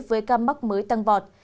với ca mắc mới tăng vọt